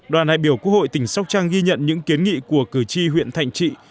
đoàn đại biểu quốc hội tỉnh sóc trăng ghi nhận những kiến nghị của cử tri huyện thạnh trị